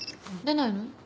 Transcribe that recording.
出ないの？